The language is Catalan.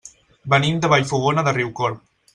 Venim de Vallfogona de Riucorb.